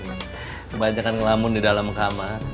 kebanyakan ngelamun di dalam kamar